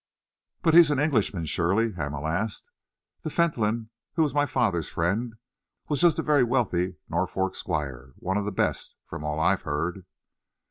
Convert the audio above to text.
"But he's an Englishman, surely?" Hamel asked. "The Fentolin who was my father's friend was just a very wealthy Norfolk squire one of the best, from all I have heard."